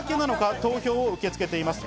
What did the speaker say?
投票を受け付けています。